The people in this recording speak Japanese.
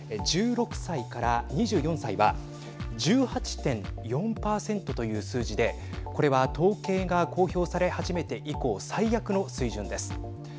１６歳から２４歳は１８．４％という数字でこれは統計が公表され始めて以降最悪の水準です。